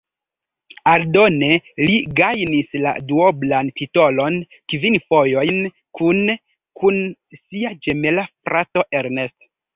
Aldone li gajnis la duoblan titolon kvin fojojn kune kun sia ĝemela frato Ernest.